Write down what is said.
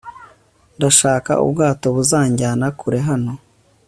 ndashaka ubwato buzanjyana kure hano